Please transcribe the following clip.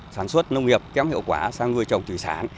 sản xuất nông nghiệp kém hiệu quả sang nuôi trồng thủy sản